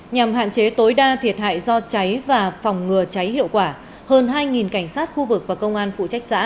nhằm hạn chế tối đa thiệt hại do cháy và phòng ngừa cháy hiệu quả hơn hai cảnh sát khu vực và công an phụ trách xã